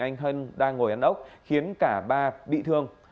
anh hân đang ngồi ăn ốc khiến cả ba bị thương